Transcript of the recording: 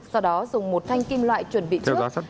sau đó dùng một thanh kim loại chuẩn bị trước